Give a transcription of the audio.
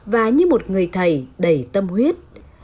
và như một người thầy đầy tâm huyết